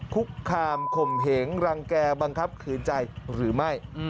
คุกคามข่มเหงรังแก่บังคับขืนใจหรือไม่